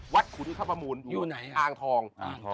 วัดขุนคปมุรอ่างทอง